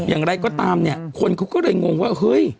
อย่างไรก็ตามเนี่ยคนเขาก็เลยงงว่าเฮ้ย